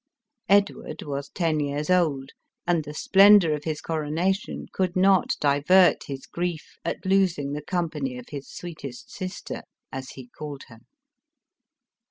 Edward was ten years old, and the splendor of his coronation could not divert his grief at losing the company of his sweet est sister, as he called her.